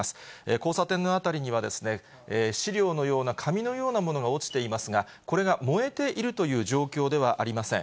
交差点の辺りには、資料のような、紙のようなものが落ちていますが、これが燃えているという状況ではありません。